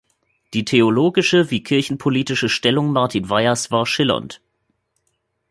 Die theologische wie kirchenpolitische Stellung Martin Weihers war schillernd.